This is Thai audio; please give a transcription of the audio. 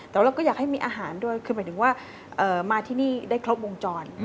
แต่ว่าเราก็อยากให้มีอาหารด้วยคือหมายถึงว่ามาที่นี่ได้ครบวงจร